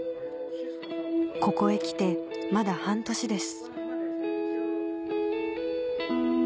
ここへ来てまだ半年です